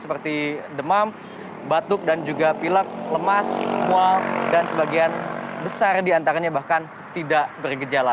seperti demam batuk dan juga pilak lemas mual dan sebagian besar diantaranya bahkan tidak bergejala